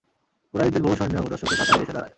কুরাইশদের বহু সৈন্যও দর্শকের কাতারে এসে দাঁড়ায়।